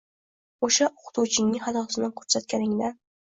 O‘sha o‘qituvchingning xatosini ko‘rsatganingdan